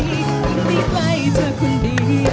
ยิ่งดีใกล้เธอคนดี